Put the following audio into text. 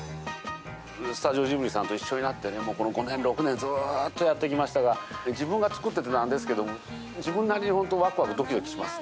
スタジオジブリさんと一緒になって、この５年、６年、ずっとやってきましたが、自分が作っててなんですけれども、自分なりに本当、わくわくどきどきしてます。